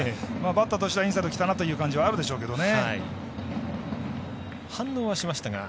バッターとしてはインサイドきたなという感じはあるでしょうけどね。